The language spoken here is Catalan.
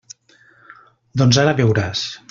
Doncs ara veuràs.